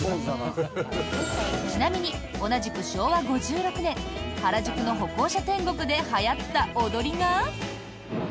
ちなみに、同じく昭和５６年原宿の歩行者天国ではやった踊りが。